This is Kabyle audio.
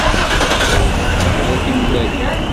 Ur tetteɣ ara timellalin.